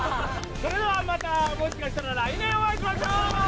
それではまたもしかしたら来年お会いしましょう！